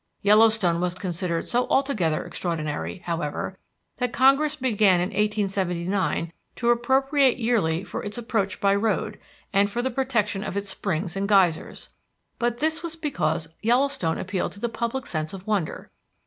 Yellowstone was considered so altogether extraordinary, however, that Congress began in 1879 to appropriate yearly for its approach by road, and for the protection of its springs and geysers; but this was because Yellowstone appealed to the public sense of wonder.